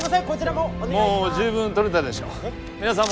もう十分撮れたでしょう。